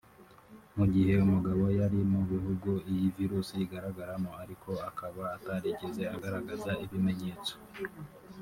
Mu gihe umugabo yari mu bihugu iyi Virus igaragamo ariko akaba atarigeze agaragaza ibimenyetso